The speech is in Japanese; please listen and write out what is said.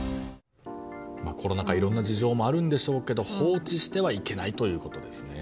コロナ禍、いろんな事情もあるんでしょうけど放置してはいけないということですね。